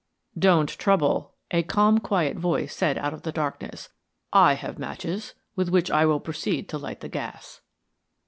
"Don't trouble," a calm, quiet voice said out of the darkness. "I have matches, with which I will proceed to light the gas."